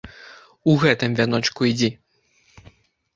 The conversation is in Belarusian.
У гэтым вяночку ідзі!